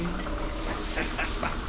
ハハハハ。